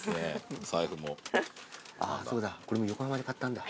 あぁそうだこれも横浜で買ったんだ。